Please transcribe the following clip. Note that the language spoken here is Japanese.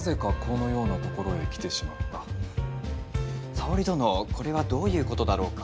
沙織殿これはどういうことだろうか？